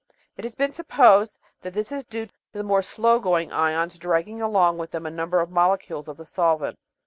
It has been supposed that this is due to the more slow going ions dragging along with them a number of molecules of the solvent.